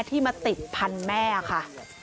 ที่มาติดพันธุ์แม่ค่ะ